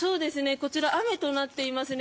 こちら雨となっていますね。